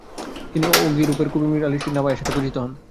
তিনি অহিগুরের কবি মীর আলি শির নাভাই এর সাথে পরিচিত হন।